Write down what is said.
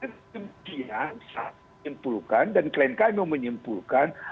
ketentian saat menyimpulkan dan klien kami menyimpulkan